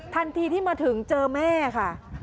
ทันทีที่มาถึงเจอแม่ค่ะ